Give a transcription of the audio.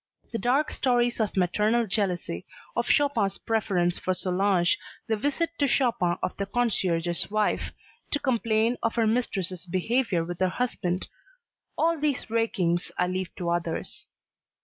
The dark stories of maternal jealousy, of Chopin's preference for Solange, the visit to Chopin of the concierge's wife to complain of her mistress' behavior with her husband, all these rakings I leave to others.